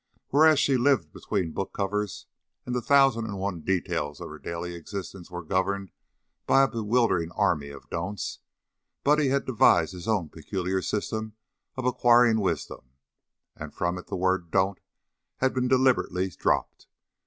Whereas she lived between book covers and the thousand and one details of her daily existence were governed by a bewildering army of "don'ts," Buddy had devised his own peculiar system of acquiring wisdom, and from it the word "don't" had been deliberately dropped.